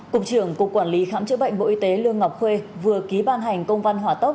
cục trưởng cục quản lý khám chữa bệnh bộ y tế lương ngọc khuê vừa ký ban hành công văn hỏa tốc